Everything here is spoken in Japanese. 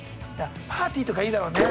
パーティーとかいいだろうね。